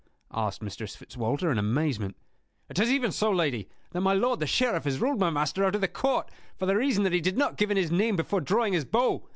asked Mistress Fitzwalter, in amazement. "It is even so, lady, that my lord the Sheriff has ruled my master out of the court, for the reason that he did not give in his name before drawing his bow!"